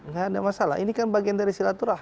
nggak ada masalah ini kan bagian dari silaturah